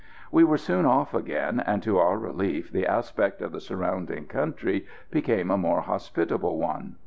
We were soon off again, and to our relief the aspect of the surrounding country became a more hospitable one.